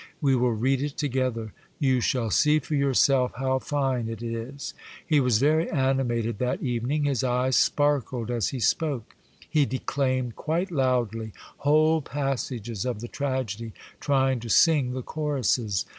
We will read it together ; you shall see for yourself how fine it is." He was very ani mated that evening. His eyes sparkled as he spoke. He declaimed quite loudly whole passages of the tragedy, trying to sing the choruses.